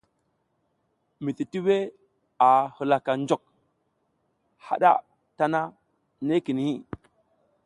Mititiwo a halaka njok haɗa tana nekini.